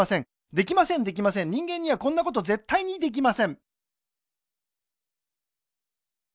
できませんできません人間にはこんなことぜったいにできません